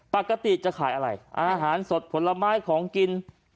ปกติจะขายอะไรอาหารสดผลไม้ของกิน